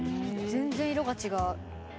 全然色が違う。